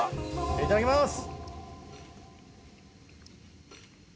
いただきます。